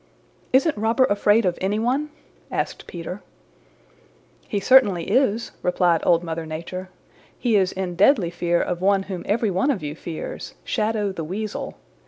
"Isn't Robber afraid of any one?" asked Peter. "He certainly is," replied Old Mother Nature. "He is in deadly fear of one whom every one of you fears Shadow the Weasel.